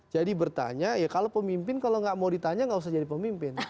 jadi bertanya ya kalau pemimpin kalau nggak mau ditanya nggak usah jadi pemimpin